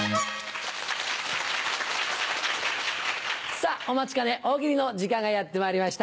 さぁお待ちかね「大喜利」の時間がやってまいりました。